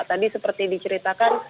tadi seperti diceritakan